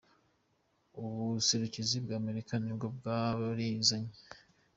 Ubuserukizi bwa Amerika ni bwo bwarizanye.